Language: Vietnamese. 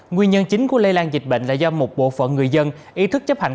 nguyên nhân chính của lây lan dịch bệnh là do một bộ phận người dân ý thức chấp hành